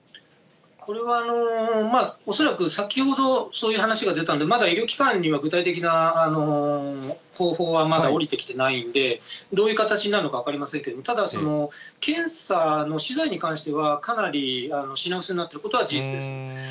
これは恐らく、先ほどそういう話が出たので、まだ医療機関には、具体的な方法はまだ下りてきてないんで、どういう形なのか分かりませんけども、ただ検査の資材に関しては、かなり品薄になっていることは事実です。